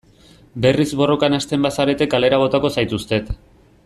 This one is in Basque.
Berriz borrokan hasten bazarete kalera botako zaituztet.